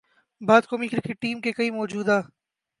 بعد قومی cricket team کے کئی موجودہ